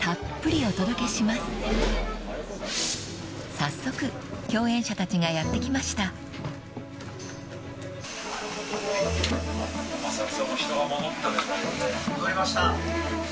［早速共演者たちがやって来ました］戻りました。